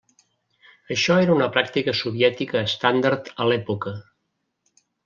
Això era una pràctica soviètica estàndard a l'època.